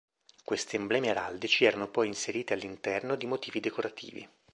Questi emblemi araldici erano poi inseriti all'interno di motivi decorativi.